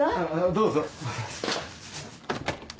どうぞ。